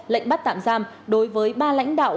lệnh bắt tạm giam đối với ba lãnh đạo